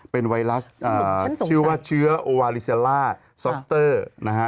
เป็นไวรัสชื่อว่าเชื้อโอวาลิซาล่าซอสเตอร์นะฮะ